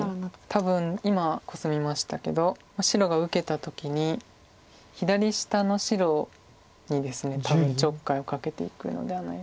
多分今コスみましたけど白が受けた時に左下の白にですね多分ちょっかいをかけていくのではないかと思うんですが。